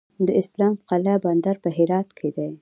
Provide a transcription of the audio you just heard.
د اسلام قلعه بندر په هرات کې دی